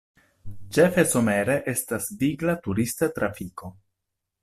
Ĉefe somere estas vigla turista trafiko.